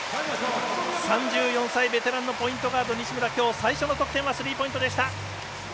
３４歳、ベテランのポイントガード、西村のきょう、最初の得点はスリーポイントでした。